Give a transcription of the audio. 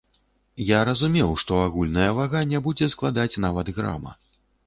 Я разумеў, што агульная вага не будзе складаць нават грама.